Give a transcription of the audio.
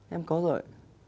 em có rồi